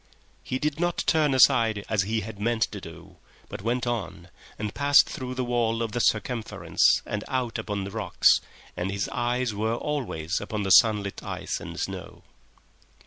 He did not turn aside as he had meant to do, but went on and passed through the wall of the circumference and out upon the rocks, and his eyes were always upon the sunlit ice and snow.